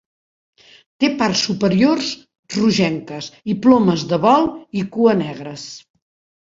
Té parts superiors rogenques i plomes de vol i cua negres.